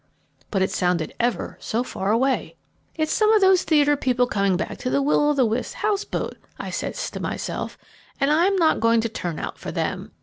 but it sounded ever so far away. "'It's some of those theatre people coming back to the Will o' the Wisp house boat,' I said to myself, 'and I'm not going to turn out for them.'